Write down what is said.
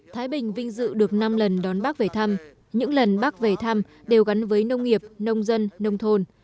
thái bình vinh dự được năm lần đón bác về thăm những lần bác về thăm đều gắn với nông nghiệp nông dân nông thôn